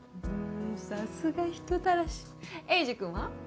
さすが人たらし栄治くんは？